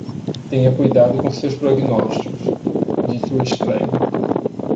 "Tenha cuidado com seus prognósticos?", disse o estranho.